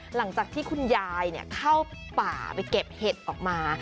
หลังจากที่คุณยายเข้าป่าไปเก็บเห็ดออกมา